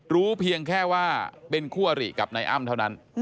เพียงแค่ว่าเป็นคู่อริกับนายอ้ำเท่านั้น